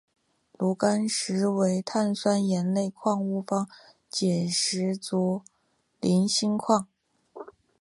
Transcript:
炉甘石为碳酸盐类矿物方解石族菱锌矿。